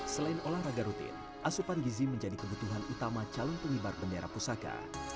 selain olahraga rutin asupan gizi menjadi kebutuhan utama calon pengibar bendera pusaka